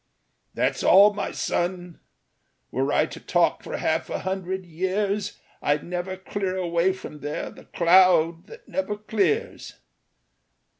"That's all, my son. Were I to talk for half a hundred years I'd never clear away from there the cloud that never clears.